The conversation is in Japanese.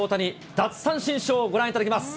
奪三振ショー、ご覧いただきます。